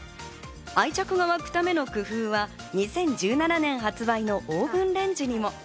愛着が湧くための工夫は２０１７年発売のオーブンレンジにも。